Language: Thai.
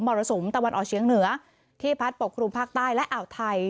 รสุมตะวันออกเชียงเหนือที่พัดปกครุมภาคใต้และอ่าวไทย